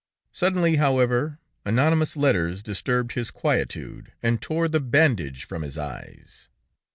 Suddenly, however, anonymous letters disturbed his quietude, and tore the bandage from his eyes.